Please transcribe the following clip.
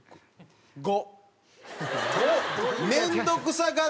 ５。